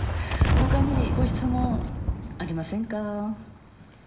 他にご質問ありませんか？